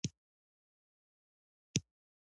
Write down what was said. آیا کاناډا یو بریالی مثال نه دی؟